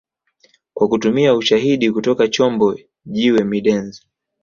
Kwa kutumia ushahidi kutoka chombo jiwe middens